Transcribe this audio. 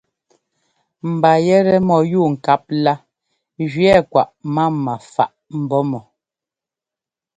Mba yɛtɛ mɔyúubŋkáp lá gẅɛɛ kwaꞌ mama faꞌ mbɔ̌ mɔ.